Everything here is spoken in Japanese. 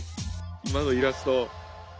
今のイラスト。